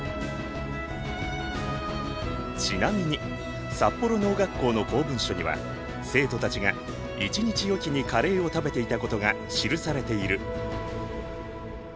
ちなみに札幌農学校の公文書には生徒たちが１日おきにカレーを食べていたことが記されている。